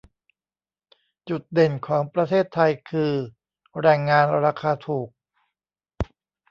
จุดเด่นของประเทศไทยคือแรงงานราคาถูก